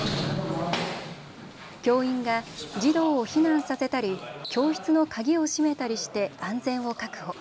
教員が児童を避難させたり教室の鍵を閉めたりして安全を確保。